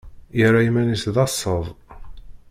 Yerra iman-is d asaḍ.